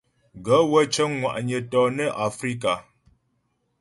Gaə̂ wə́ cə́ŋ ŋwà'nyə̀ tɔnə Afrikà.